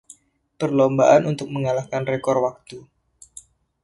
Perlombaan untuk mengalahkan rekor waktu.